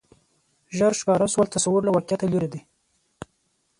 ژر ښکاره شول تصور له واقعیته لرې دی